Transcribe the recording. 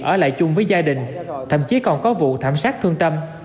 ở lại chung với gia đình thậm chí còn có vụ thảm sát thương tâm